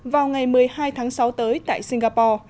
vào ngày một mươi hai tháng sáu tới tại singapore